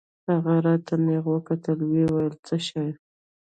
هغه راته نېغ وکتل ويې ويل څه شى.